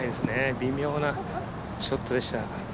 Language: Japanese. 微妙なショットでした。